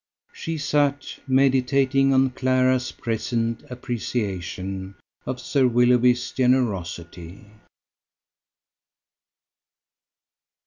She sat meditating on Clara's present appreciation of Sir Willoughby's generosity.